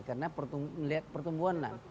karena melihat pertumbuhan lah